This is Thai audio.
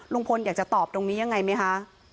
ลุงพลอยากจะตอบตรงนี้ยังไงไหมคะ